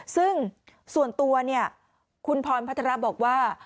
ซึ่งส่วนตัวคุณพรพัทราบอกว่า